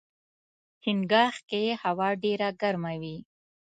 چنګاښ کې هوا ډېره ګرمه وي.